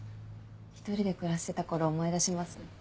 １人で暮らしてた頃思い出します。